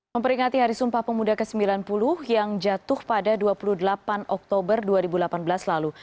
memperingati hari sumpah pemuda ke sembilan puluh yang jatuh pada dua puluh delapan oktober dua ribu delapan belas lalu